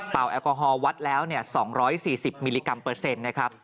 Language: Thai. เปล่าแอลกอฮอล์วัดแล้ว๒๔๐มิลลิกรัมเปอร์เซ็นต์